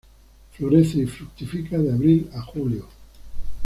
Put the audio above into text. Florece y fructifica de abril a julio.